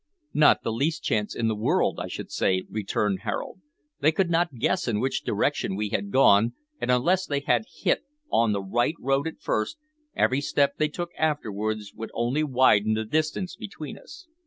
"Not the least chance in the world, I should say," returned Harold. "They could not guess in which direction we had gone, and unless they had hit on the right road at first, every step they took afterwards would only widen the distance between us."